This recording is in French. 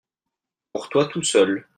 Pour toi tout seul.